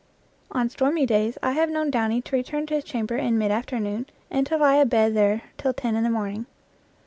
On stormy days I have known Downy to return to his chamber in mid afternoon, and to lie abed there till ten in the morning.